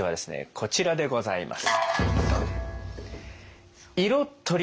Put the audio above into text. こちらでございます。